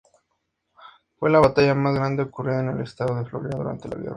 Fue la batalla más grande ocurrida en el estado de Florida durante la guerra.